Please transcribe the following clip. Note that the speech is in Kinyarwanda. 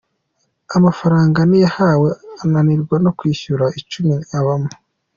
Amafaranga ntiyayahawe, ananirwa no kwishyura icumbi abamo.